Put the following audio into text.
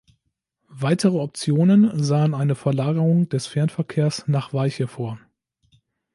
Weitere Optionen sahen eine Verlagerung des Fernverkehrs nach Weiche vor.